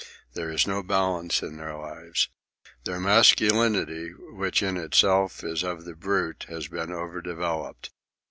There is no balance in their lives. Their masculinity, which in itself is of the brute, has been over developed.